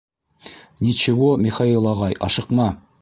— Ничево, Михаил ағай, ашыҡма.